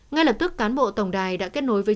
ngay lập tức cán bộ tổng đài đã kết nối với